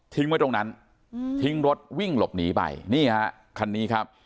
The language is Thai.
ไว้ตรงนั้นทิ้งรถวิ่งหลบหนีไปนี่ฮะคันนี้ครับ